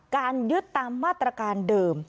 การยึดตามมาตรการเดิม